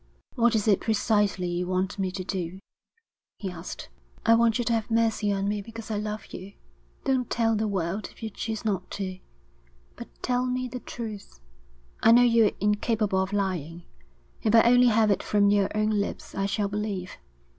'What is it precisely you want me to do?' he asked. 'I want you to have mercy on me because I love you. Don't tell the world if you choose not to. But tell me the truth. I know you're incapable of lying. If I only have it from your own lips I shall believe.